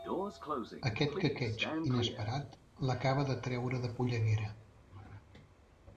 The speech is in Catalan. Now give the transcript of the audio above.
Aquest quequeig inesperat l'acaba de treure de polleguera.